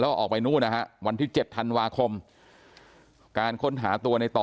แล้วออกไปนู่นนะฮะวันที่๗ธันวาคมการค้นหาตัวในต่อ